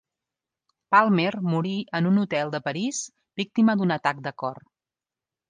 Palmer morí en un hotel de París víctima d'un atac de cor.